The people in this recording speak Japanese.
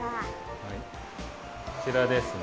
こちらですね。